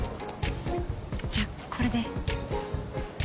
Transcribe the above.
じゃあこれで。